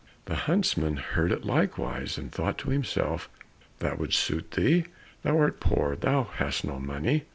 The huntsman heard it likewise, and thought to himself, "That would suit thee. Thou art poor, and hast no money."